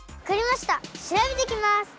しらべてきます！